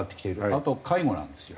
あと介護なんですよ。